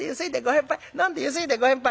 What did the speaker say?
飲んでゆすいで『ご返杯』。